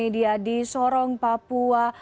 di sorong papua